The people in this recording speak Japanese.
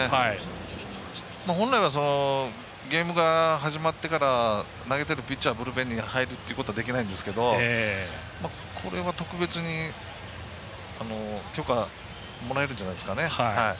本来は、ゲームが始まってから投げているピッチャーはブルペンに入ることはできないんですけどこれは特別に許可もらえるんじゃないですかね。